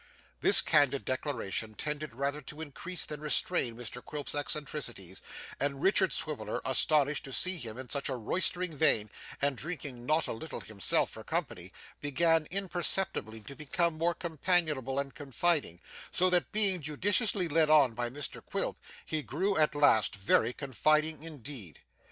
This candid declaration tended rather to increase than restrain Mr Quilp's eccentricities, and Richard Swiveller, astonished to see him in such a roystering vein, and drinking not a little himself, for company began imperceptibly to become more companionable and confiding, so that, being judiciously led on by Mr Quilp, he grew at last very confiding indeed.